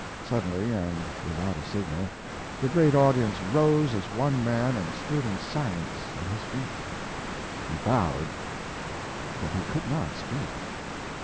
Suddenly, and without a signal, the great audience rose as one man and stood in silence at his feet. He bowed, but he could not speak.